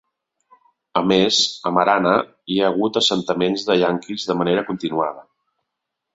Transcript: A més, a Marana hi ha hagut assentaments de yaquis de manera continuada.